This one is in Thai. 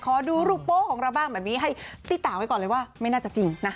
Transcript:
ขอดูรูปโป๊ของเราบ้างแบบนี้ให้ติต่างไว้ก่อนเลยว่าไม่น่าจะจริงนะ